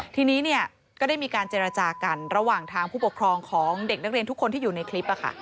ทีนี้ก็ได้มีการเจรจากันระหว่างทางผู้ปกครองของเด็กนักเรียนทุกคนที่อยู่ในคลิป